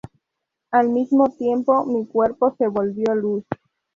Al mismo tiempo mi cuerpo se volvió luz.